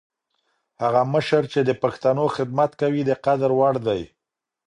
هغه مشر چي د پښتنو خدمت کوي، د قدر وړ دی.